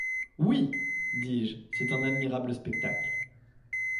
Oui ! dis-je, c’est un admirable spectacle.